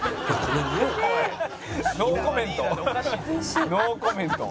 「ノーコメント。